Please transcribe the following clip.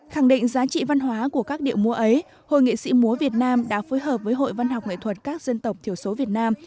khẳng định giá trị văn hóa của các điệu múa ấy hội nghệ sĩ múa việt nam đã phối hợp với hội văn học nghệ thuật các dân tộc thiểu số việt nam